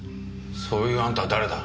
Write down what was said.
そういうあんたは誰だ？